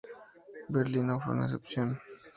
Berlín no fue una excepción.